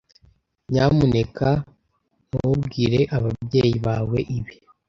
Nyamuneka ntubwire ababyeyi bawe ibi.